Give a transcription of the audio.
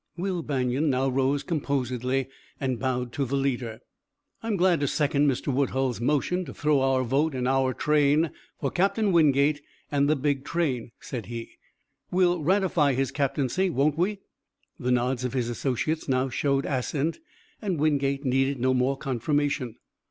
Will Banion now rose composedly and bowed to the leader. "I'm glad to second Mr. Woodhull's motion to throw our vote and our train for Captain Wingate and the big train," said he. "We'll ratify his captaincy, won't we?" The nods of his associates now showed assent, and Wingate needed no more confirmation.